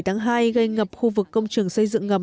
bảy tháng hai gây ngập khu vực công trường xây dựng ngầm